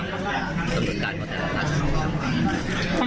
สมบัติการพลังมีชาติรักษ์ได้หรือเปล่า